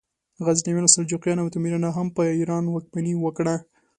غزنویانو، سلجوقیانو او تیموریانو هم په ایران واکمني وکړه.